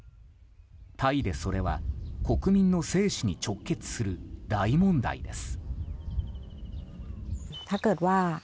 タイでそれは、国民の生死に直結する大問題です。